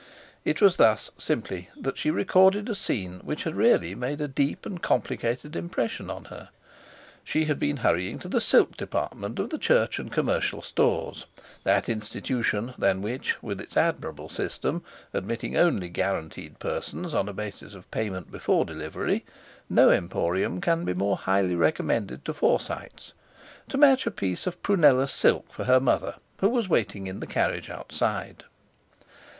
It was thus, simply, that she recorded a scene which had really made a deep and complicated impression on her. She had been hurrying to the silk department of the Church and Commercial Stores—that Institution than which, with its admirable system, admitting only guaranteed persons on a basis of payment before delivery, no emporium can be more highly recommended to Forsytes—to match a piece of prunella silk for her mother, who was waiting in the carriage outside.